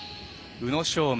宇野昌磨